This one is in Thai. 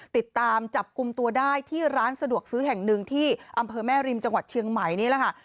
ติดตามจับกลุ่มตัวได้ที่ร้านสะดวกซื้อแห่งหนึ่งที่อำเภอแม่ริมจังหวัดเชียงใหม่นี่แหละค่ะ